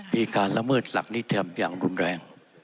มีการละเมิดหลักนิธรรมอย่างรุนแรง